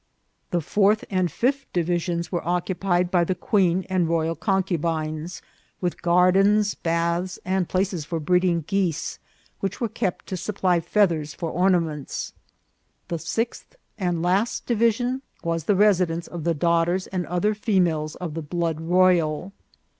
The fourth and fifth divis ions were occupied by the queen and royal concubines, with gardensv baths, and places for breeding geese, which were kept to supply feathers for ornaments. The sixth and last division was the residence of the daughters and other females of the blood royal.